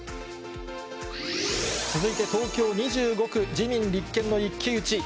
続いて東京２５区、自民、立憲の一騎打ち。